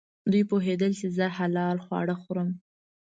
دوی پوهېدل چې زه حلال خواړه خورم.